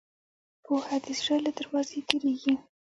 پوهه د زړه له دروازې تېرېږي.